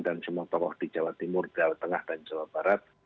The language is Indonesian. dan semua tokoh di jawa timur jawa tengah dan jawa barat